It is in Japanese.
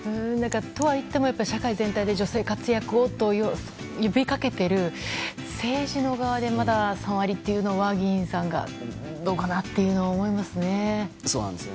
とはいっても社会全体で女性活躍をと呼びかけている政治の場でまだ３割というのは議員さんがどうかなと思いますね。